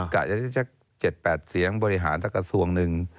กะจะได้เจ็บแปดเสียงบริหารสักกระทรวงนึง